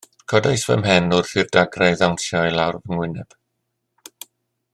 Codais fy mhen wrth i'r dagrau ddawnsio i lawr fy wyneb.